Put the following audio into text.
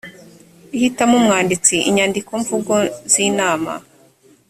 ihitamo umwanditsi inyandikomvugo z inama